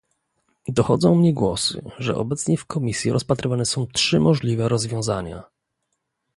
Dochodzą mnie głosy, że obecnie w Komisji rozpatrywane są trzy możliwe rozwiązania